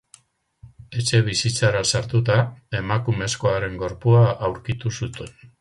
Etxebizitzara sartuta, emakumezkoaren gorpua aurkitu zuten.